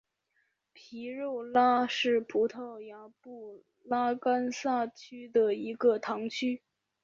皮内拉是葡萄牙布拉干萨区的一个堂区。